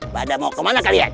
bada mau kemana kalian